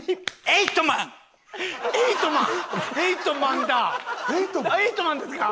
エイト・マンですか？